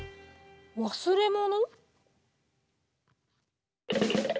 忘れ物？